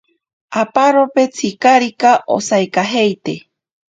Aparope tsikarika asaikajeite.